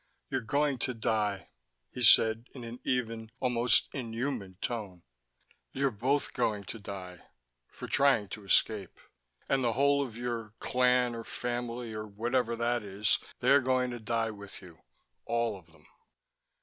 "You're going to die," he said in an even, almost inhuman tone. "You're both going to die. For trying to escape. And the whole of your clan, or family, or whatever that is they're going to die with you. All of them."